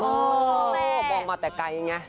มองมาแต่ไกลไง